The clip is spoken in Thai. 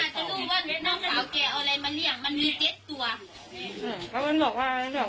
ถามบอกเค้าใครบอกเค้าต้องได้ลูก